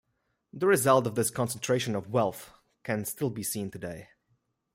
The result of this concentration of wealth can still be seen today.